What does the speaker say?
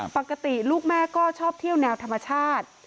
ปกติลูกแม่ก็ชอบเที่ยวแนวธรรมชาติ